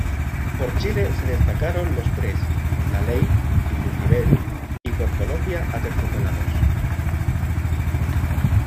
Por Chile se destacaron Los Tres, La Ley y Lucybell; y por Colombia Aterciopelados.